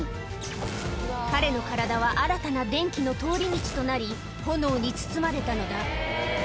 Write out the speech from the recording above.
彼の体は新たな電気の通り道となり炎に包まれたのだ